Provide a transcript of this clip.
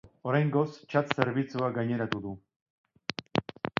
Oraingoz txat zerbitzua gaineratu du.